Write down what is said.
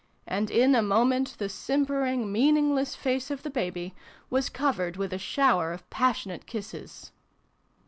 And in a moment the simpering meaningless face of the Baby was covered with a shower of passionate kisses.